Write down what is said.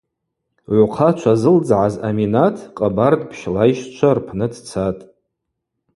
Гӏвхъачва зылдзгӏаз Аминат Къабардпщ лайщчва рпны дцахтӏ.